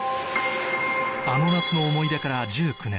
あの夏の思い出から１９年